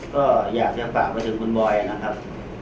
ก็อยากจะฝากไปถึงคุณบอยนะครับ